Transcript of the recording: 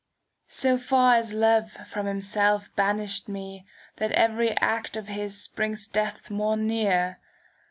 So far as Love from himself banished me, '" That every act of his brings death more near.